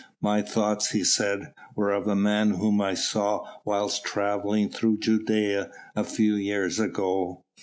"My thoughts," he said, "were of a Man Whom I saw whilst travelling through Judæa a few years ago.